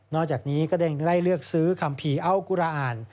อกจากนี้ก็ได้เลือกซื้อคัมภีร์อัลกุระอ่าน